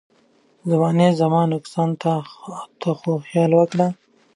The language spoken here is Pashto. زمانې زما نقصان ته خو خيال وکړه.